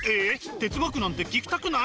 哲学なんて聞きたくない？